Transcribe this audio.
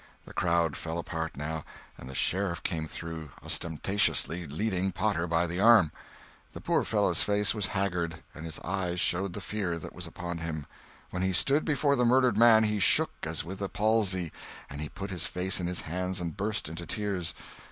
The crowd fell apart, now, and the Sheriff came through, ostentatiously leading Potter by the arm. The poor fellow's face was haggard, and his eyes showed the fear that was upon him. When he stood before the murdered man, he shook as with a palsy, and he put his face in his hands and burst into tears.